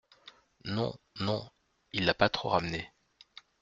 Non, non, il l’a pas trop ramenée.